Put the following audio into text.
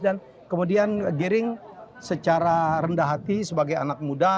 dan kemudian giring secara rendah hati sebagai anak muda